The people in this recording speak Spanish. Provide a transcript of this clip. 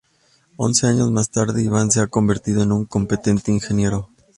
Once años más tarde, Iván se ha convertido en un competente ingeniero.